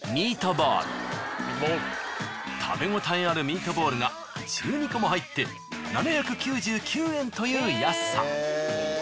食べ応えあるミートボールが１２個も入って７９９円という安さ。